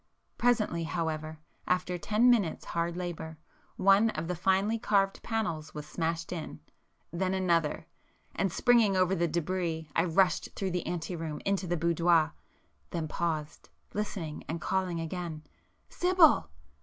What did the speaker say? Presently however, after ten minutes' hard labour, one of the finely carved panels was smashed in,—then another,—and, springing over the débris I rushed through the ante room into the boudoir,—then paused, listening, and calling again, "Sibyl!"